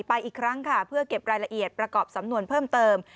อีกครั้งค่ะเพื่อเก็บรายละเอียดประกอบสำนวนเพิ่มเติม